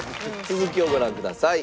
続きをご覧ください。